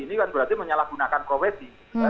ini kan berarti menyalahgunakan profesi